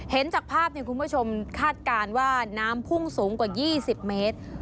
จากภาพคุณผู้ชมคาดการณ์ว่าน้ำพุ่งสูงกว่า๒๐เมตร